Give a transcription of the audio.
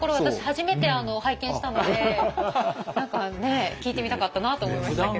初めて拝見したので何かね聞いてみたかったなと思いましたけど。